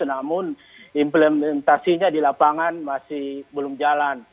namun implementasinya di lapangan masih belum jalan